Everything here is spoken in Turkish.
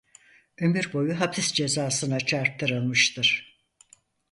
Ömür boyu hapis cezasına çarptırılmıştır.